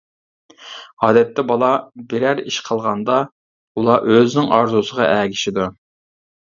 ئادەتتە بالا بىرەر ئىش قىلغاندا ئۇلار ئۆزىنىڭ ئارزۇسىغا ئەگىشىدۇ.